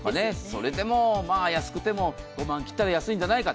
それでも安くても５万切ったら安いんじゃないか。